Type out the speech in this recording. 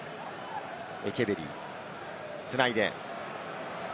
エチェベリー、繋いで。